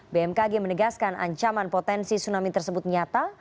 bmkg menegaskan ancaman potensi tsunami tersebut nyata